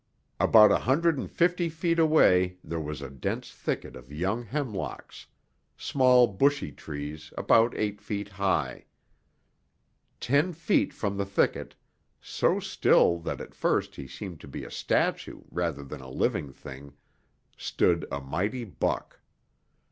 About a hundred and fifty feet away there was a dense thicket of young hemlocks, small bushy trees about eight feet high. Ten feet from the thicket, so still that at first he seemed to be a statue rather than a living thing, stood a mighty buck.